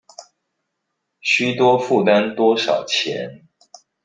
須多負擔多少錢